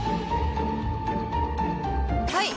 はい！